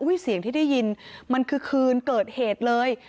เสียงที่ได้ยินมันคือคืนเกิดเหตุเลย